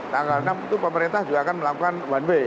tanggal enam itu pemerintah juga akan melakukan one way